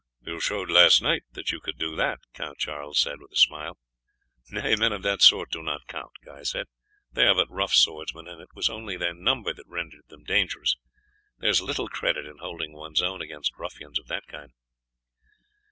"You showed last night that you could do that," Count Charles said with a smile. "Nay, men of that sort do not count," Guy said. "They are but rough swordsmen, and it was only their number that rendered them dangerous. There is little credit in holding one's own against ruffians of that kind."